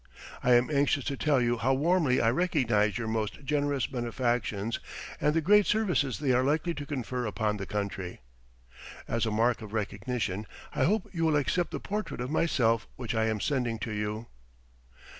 I am anxious to tell you how warmly I recognize your most generous benefactions and the great services they are likely to confer upon the country. As a mark of recognition, I hope you will accept the portrait of myself which I am sending to you.